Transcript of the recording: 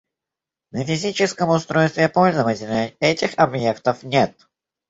На физическом устройстве пользователя этих объектов нет